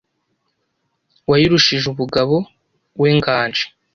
Wayirushije ubugabo we Nganji,